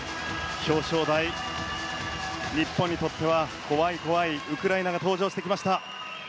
表彰台に向けて日本にとっては怖い怖いウクライナが登場してきました。